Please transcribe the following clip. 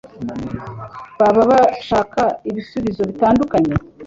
Baba bashaka ibisubizo bitandukanye